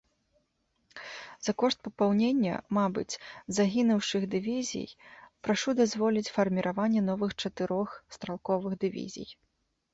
За кошт папаўнення, мабыць, загінуўшых дывізій, прашу дазволіць фарміраванне новых чатырох стралковых дывізій.